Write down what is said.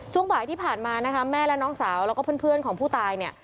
ช่วงบ่ายที่ผ่านมานะคะแม่และน้องสาวแล้วก็เพื่อนของผู้ตายเนี่ย